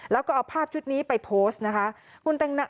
แล้วก็เอาภาพชุดนี้ไปโพสต์นะคะ